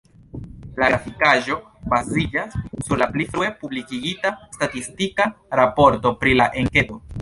La grafikaĵo baziĝas sur la pli frue publikigita statistika raporto pri la enketo.